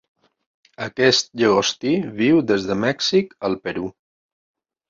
Aquest llagostí viu des de Mèxic al Perú.